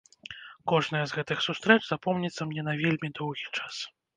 Кожная з гэтых сустрэч запомніцца мне на вельмі доўгі час.